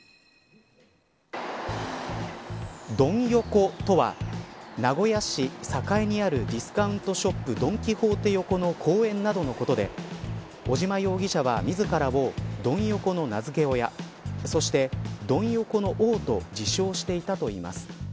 ドン横とは名古屋市栄にあるディスカウントショップ、ドン・キホーテ横の公園などのことで尾島容疑者は、自らをドン横の名付け親そして、ドン横の王と自称していたといいます。